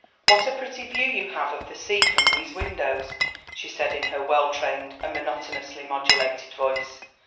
"What a pretty view you have of the sea from these windows," she said in her well trained and monotonously modulated voice.